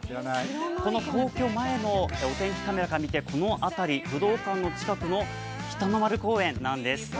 この皇居前のお天気カメラから見て、この辺り、武道館の近くの北の丸公園なんです。